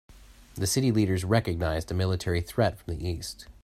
The city leaders recognized a military threat from the east.